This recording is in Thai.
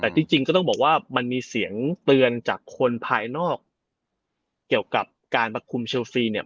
แต่จริงก็ต้องบอกว่ามันมีเสียงเตือนจากคนภายนอกเกี่ยวกับการประคุมเชลซีเนี่ย